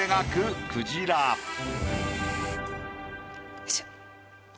よいしょ。